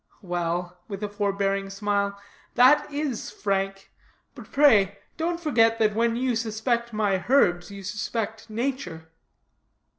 "Well," with a forbearing smile, "that is frank. But pray, don't forget that when you suspect my herbs you suspect nature."